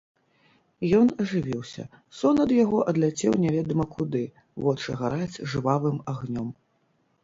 Ён ажывіўся, сон ад яго адляцеў немаведама куды, вочы гараць жвавым агнём.